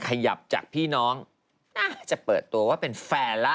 ขยับจากพี่น้องจะเปิดตัวว่าเป็นแฟนละ